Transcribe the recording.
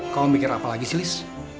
kamu mikir apa lagi sih lis